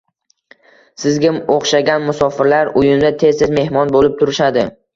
Sizga o`xshagan musofirlar uyimda tez-tez mehmon bo`lib turishadi